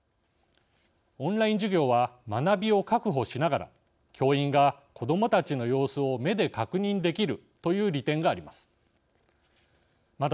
オンライン授業は学びを確保しながら教員が子どもたちの様子を目で確認できるという利点があります。